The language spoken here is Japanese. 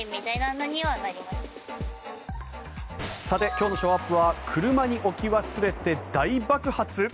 今日のショーアップは車に置き忘れて大爆発？